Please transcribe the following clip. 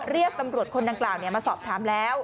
เรียกตำรวจคนดังกล่าวมาสอบถามแล้ว